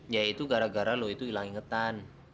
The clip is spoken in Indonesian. ya itu gara gara lo itu hilang ingetan